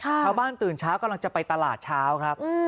ชาวบ้านตื่นเช้ากำลังจะไปตลาดเช้าครับ